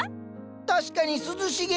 確かに涼しげ。